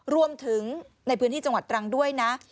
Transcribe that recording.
รวมถึงในพื้นที่จังหวัดตรังด้วยนะ